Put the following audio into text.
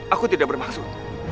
aku tidak bermaksud